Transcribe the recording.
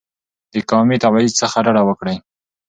د قومي تبعیض څخه ډډه وکړئ.